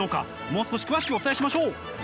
もう少し詳しくお伝えしましょう。